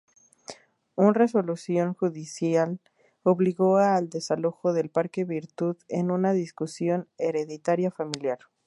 Un resolución judicial obligó al desalojo del parque virtud de una discusión hereditaria familiar.